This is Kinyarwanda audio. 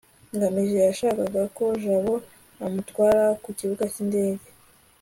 ngamije yashakaga ko jabo amutwara ku kibuga cy'indege